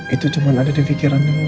itu cuman ada di pikirannya mama